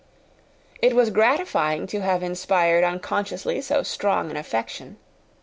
it was gratifying to have inspired unconsciously so strong an affection.